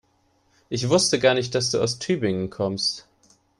Ich wusste gar nicht, dass du aus Tübingen kommst